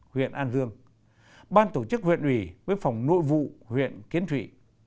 huyện an dương ban tổ chức huyện ủy với phòng nội vụ huyện kiến thụy